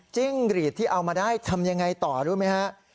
จิ้งหรีดที่เอามาได้ทำอย่างไรต่อรู้ไหมครับ